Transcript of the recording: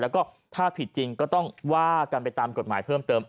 แล้วก็ถ้าผิดจริงก็ต้องว่ากันไปตามกฎหมายเพิ่มเติม